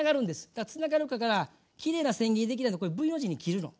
つながるからきれいなせん切りできないのでこれＶの字に切るの。